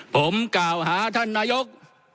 ผมกล่าวหาท่านนายก